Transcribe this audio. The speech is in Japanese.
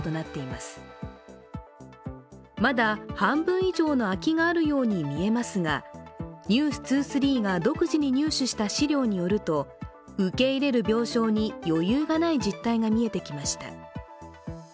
まだ半分以上の空きがあるように見えますが「ｎｅｗｓ２３」が独自に入手した資料によると受け入れる病床に余裕がない実態が見えてきました。